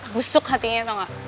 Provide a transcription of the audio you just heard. busuk hatinya tau gak